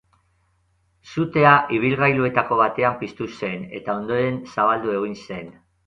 Sutea ibilgailuetako batean piztu zen, eta ondoren zabaldu egin zen.